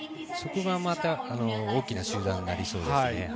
そこがまた大きな集団になりそうですね。